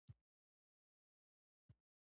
زه دلې یم.